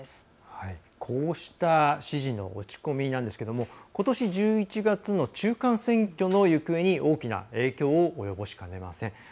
こうした支持の落ち込みなんですがことし１１月の中間選挙の行方に大きな影響を及ぼしかねません。